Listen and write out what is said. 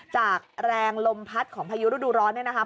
จากแรงลมพัดของพายุฤดูร้อนเนี่ยนะคะ